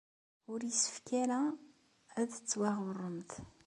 Ur yessefk ara ad tettwaɣurremt.